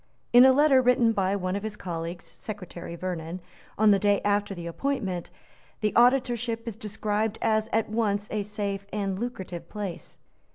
In a letter written by one of his colleagues, Secretary Vernon, on the day after the appointment, the Auditorship is described as at once a safe and lucrative place.